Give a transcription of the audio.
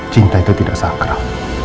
cinta itu tidak sakral